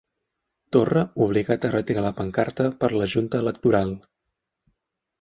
Torra obligat a retirar la pancarta per la junta electoral